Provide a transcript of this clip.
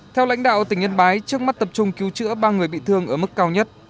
theo lãnh đạo tỉnh yên bái trước mắt tập trung cứu chữa ba người bị thương ở mức cao nhất